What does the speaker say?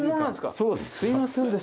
そうです。